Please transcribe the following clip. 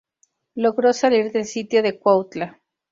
Logró salir del sitio de Cuautla.